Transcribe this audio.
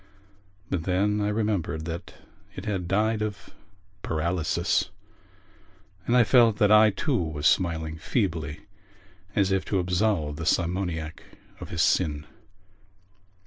But then I remembered that it had died of paralysis and I felt that I too was smiling feebly as if to absolve the simoniac of his sin.